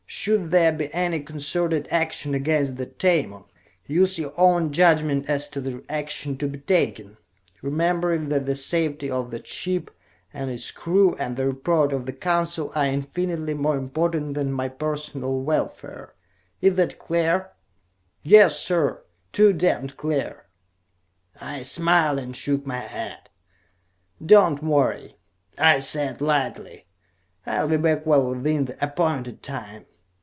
Should there be any concerted action against the Tamon, use your own judgment as to the action to be taken, remembering that the safety of the ship and its crew, and the report of the Council, are infinitely more important than my personal welfare. Is that clear?" "Yes, sir. Too damned clear." I smiled and shook my head. "Don't worry," I said lightly. "I'll be back well within the appointed time."